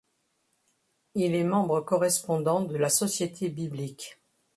Il est membre-correspondant de la Société biblique.